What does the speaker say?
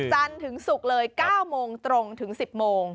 จันทร์ถึงศุกร์เลย๙โมงตรงถึง๑๐โมง